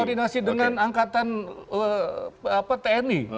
koordinasi dengan angkatan tni